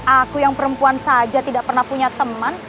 aku yang perempuan saja tidak pernah punya teman